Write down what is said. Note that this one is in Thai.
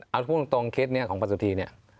เอาถูกตรงเคสนี้ของพันธุ์สุธีนี่